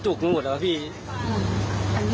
จุกตามหมดเราหมดวะพี่